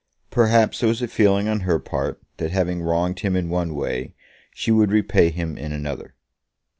Perhaps there was a feeling on her part that having wronged him in one way, she would repay him in another.